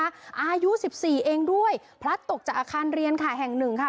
อายุ๑๔เองด้วยพลัดตกจากอาคารเรียนค่ะแห่งหนึ่งค่ะ